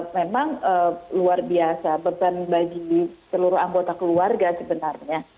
memang luar biasa beban bagi seluruh anggota keluarga sebenarnya